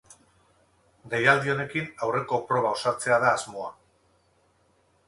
Deialdi honekin aurreko proba osatzea da asmoa.